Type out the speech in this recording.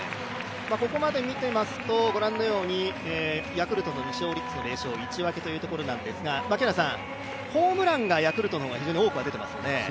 ここまで見ていますと、ご覧のようにヤクルトが２勝１分けということなんですが、ホームランがヤクルトの方が非常に多く出てますね。